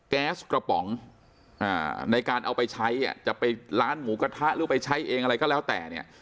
แก๊สกระป๋องในการเอาไปใช้จะไปร้านหมูกระทะหรือไปใช้เองอะไรก็แล้วแต่เนี่ย